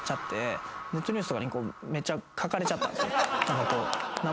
ネットニュースとかにめちゃ書かれちゃったんですよ。